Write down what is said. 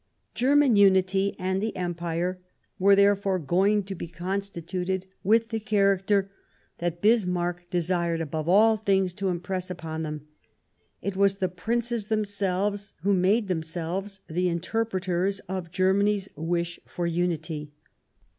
German unity and the Empire were therefore going to be constituted with the character that Bismarck desired above all things to impress upon them : it was the Princes themselves who made themselves the interpreters of Germany's wish for unity.